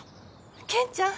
健ちゃん？